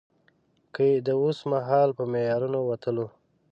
که يې د اوسمهال په معیارونو وتلو.